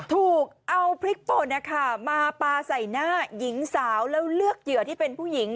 ถูกเอาพริกป่นมาปลาใส่หน้าหญิงสาวแล้วเลือกเหยื่อที่เป็นผู้หญิง